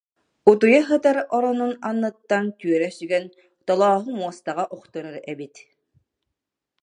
Утуйа сытар оронун анныттан түөрэ сүгэн Толооһу муостаҕа охторор эбит